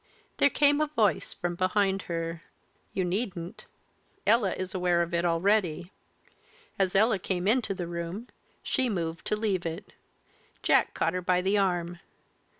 There came a voice from behind her. "You needn't Ella is aware of it already." As Ella came into the room, she moved to leave it. Jack caught her by the arm.